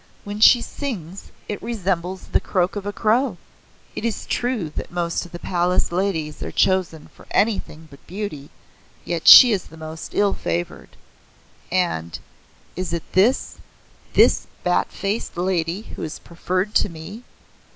When she sings it resembles the croak of the crow. It is true that most of the Palace ladies are chosen for anything but beauty, yet she is the most ill favored. And is it this this bat faced lady who is preferred to me!